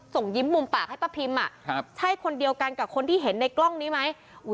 ยิ้มมุมปากให้ป้าพิมใช่คนเดียวกันกับคนที่เห็นในกล้องนี้ไหม